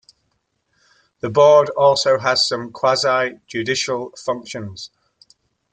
The board also has some quasi-judicial functions.